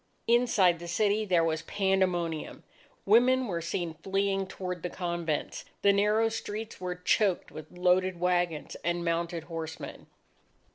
Inside the city, there was pandemonium. Women were seen fleeing toward the convents. The narrow streets were choked with loaded wagons and mounted horsemen.